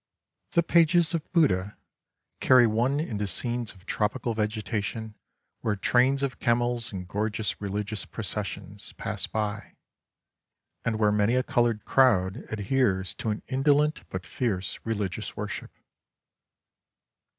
The pages of " Buddha " carry one into scenes of tropical vegetation, where trains of camels and gorgeous religious processions pass by, and where a many colored crowd adheres to an indolent but fierce re ligious worship.